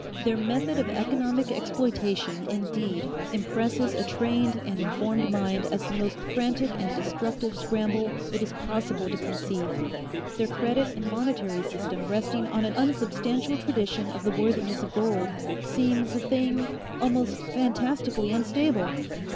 Their method of economic exploitation indeed impresses a trained and informed mind as the most frantic and destructive scramble it is possible to conceive; their credit and monetary system resting on an unsubstantial tradition of the worthiness of gold, seems a thing almost fantastically unstable.